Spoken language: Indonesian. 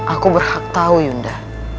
aku berhak tahu yunda